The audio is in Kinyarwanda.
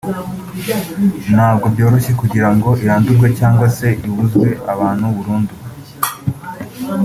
ntabwo byoroshye kugira ngo irandurwe cyangwa se ibuzwe abantu burundu